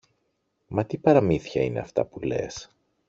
Μα τι παραμύθια είναι αυτά που λες;